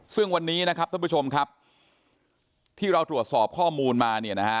ซึ่งวันนี้ท่านผู้ชมครับที่เราตรวจสอบข้อมูลมา